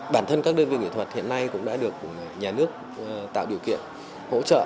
bản thân các đơn vị nghệ thuật hiện nay cũng đã được nhà nước tạo điều kiện hỗ trợ